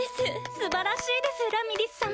素晴らしいですラミリス様！